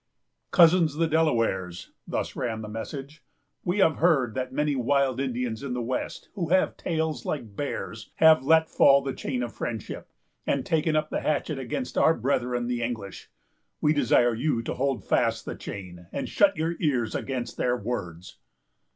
"Cousins the Delawares,"——thus ran the message,——"we have heard that many wild Indians in the West, who have tails like bears, have let fall the chain of friendship, and taken up the hatchet against our brethren the English. We desire you to hold fast the chain, and shut your ears against their words."